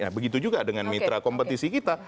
nah begitu juga dengan mitra kompetisi kita